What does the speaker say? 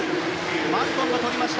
マルトンがとりました。